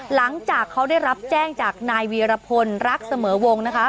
หลังจากเขาได้รับแจ้งจากนายวีรพลรักเสมอวงนะคะ